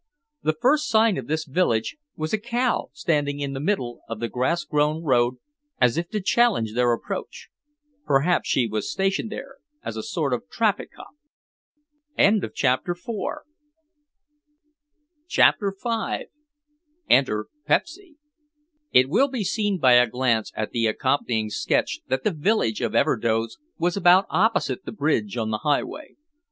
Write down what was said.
The first sign of this village was a cow standing in the middle of the grass grown road as if to challenge their approach. Perhaps she was stationed there as a sort of traffic cop.... CHAPTER V ENTER PEPSY It will be seen by a glance at the accompanying sketch that the village of Everdoze was about opposite the bridge on the highway.